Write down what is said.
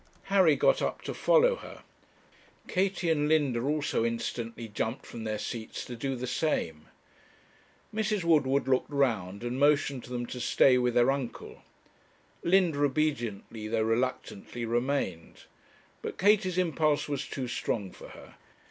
Harry got up to follow her. Katie and Linda also instantly jumped from their seats to do the same. Mrs. Woodward looked round, and motioned to them to stay with their uncle. Linda obediently, though reluctantly, remained; but Katie's impulse was too strong for her.